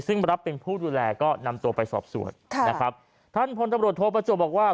ซึ่งรับเป็นผู้ดูแลก็นำตัวไปสอบสวนค่ะนะครับท่านพลตำรวจโทประจวบบอกว่า